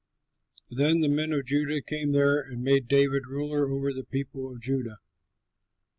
Then the men of Judah came there and made David ruler over the people of Judah.